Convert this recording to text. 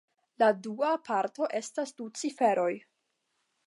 La dua parto estas du ciferoj.